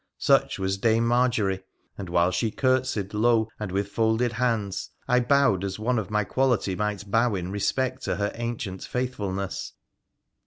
Such was Dame Marjorie, and, while she curtseyed low with folded hands, I bowed as one of my quality might bow in respect to her ancient faithfulness.